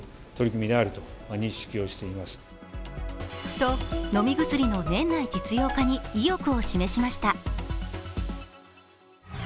と飲み薬の年内実用化に意欲を示しました。